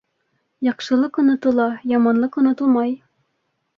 Яҡшылыҡ онотола, яманлыҡ онотолмай.